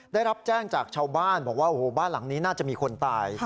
ได้รับแจ้งจากชาวบ้านบอกว่าโอ้โหบ้านหลังนี้น่าจะมีคนตาย